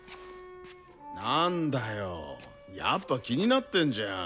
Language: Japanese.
なんだよやっぱ気になってんじゃん。